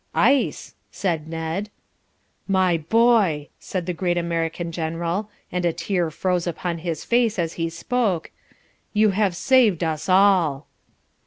"'Ice,' said Ned. 'My boy,' said the Great American General, and a tear froze upon his face as he spoke, 'you have saved us all.'"